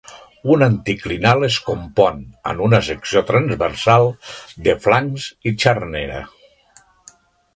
Un anticlinal es compon, en una secció transversal, de flancs i xarnera.